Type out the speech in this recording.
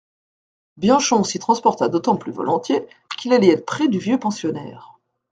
Bianchon s'y transporta d'autant plus volontiers qu'il allait être près du vieux pensionnaire.